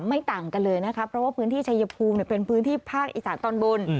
ต่างกันเลยนะคะเพราะว่าพื้นที่ชายภูมิเป็นพื้นที่ภาคอีสานตอนบน